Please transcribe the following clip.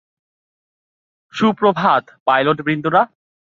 সুপ্রভাত, পাইলটবৃন্দরা।